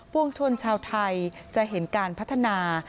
วงชนชาวไทยจะเห็นการพัฒนา